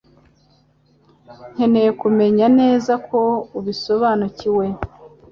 Nkeneye kumenya neza ko ubisobanukiwe.